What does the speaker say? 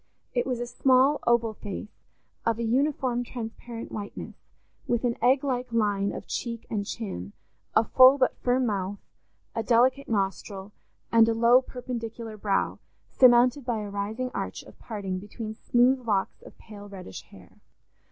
It was a small oval face, of a uniform transparent whiteness, with an egg like line of cheek and chin, a full but firm mouth, a delicate nostril, and a low perpendicular brow, surmounted by a rising arch of parting between smooth locks of pale reddish hair.